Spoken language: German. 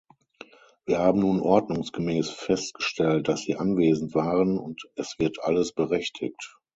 Wir haben nun ordnungsgemäß festgestellt, dass Sie anwesend waren, und es wird alles berichtigt.